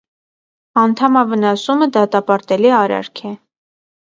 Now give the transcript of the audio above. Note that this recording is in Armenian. Անդամավնասումը դատապարտելի արարք է։